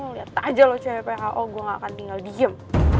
liat aja lo cwpho gue gak akan tinggal diem